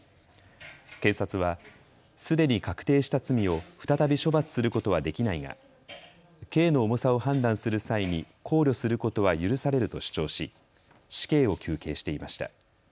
検察はすでに確定した罪を再び処罰することはできないが刑の重さを判断する際に考慮することは許されると主張し死刑を求刑していました。